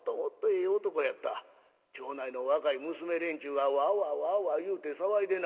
町内の若い娘連中はワーワーワーワー言うて騒いでなはる。